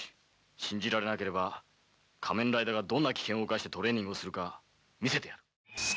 信じられなければ仮面ライダーがどんな危険を冒してトレーニングをするか見せてやる。